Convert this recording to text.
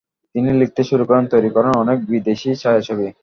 তিনি লিখতে শুরু করেন, তৈরি করেন অনেক বিদেশি ছায়াছবি।